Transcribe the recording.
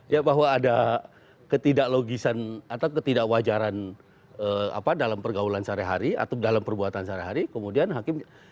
ya bahwa ada ketidaklogisan atau ketidakwajaran dalam pergaulan sehari hari atau dalam perbuatan sehari hari kemudian hakim